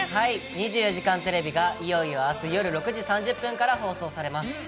『２４時間テレビ』がいよいよ、あす夜６時３０分から放送されます。